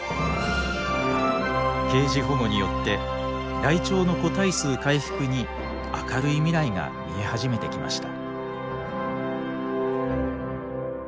ケージ保護によってライチョウの個体数回復に明るい未来が見え始めてきました。